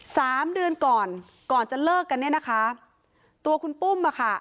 สามเดือนก่อนก่อนจะเลิกกันเนี่ยนะคะตัวคุณปุ้มอ่ะค่ะ